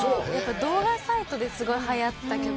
動画サイトですごいはやった曲。